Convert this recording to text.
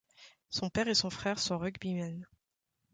Son père et son frère sont rugbymen.